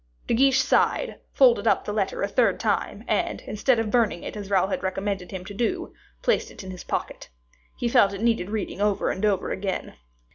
De Guiche sighed, folded up the letter a third time, and, instead of burning it, as Raoul had recommended him to do, placed it in his pocket. He felt it needed reading over and over again.